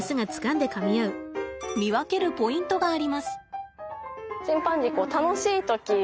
見分けるポイントがあります。